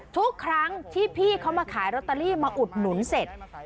ทุกครั้งที่พี่เขามาขายลอตเตอรี่มาอุดหนุนเสร็จ